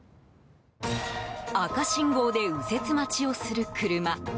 赤信号で右折待ちをする車。